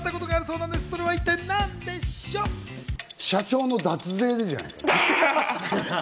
社長の脱税でじゃない？